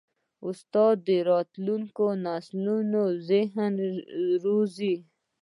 استاد د راتلونکي نسلونو ذهنونه روزي.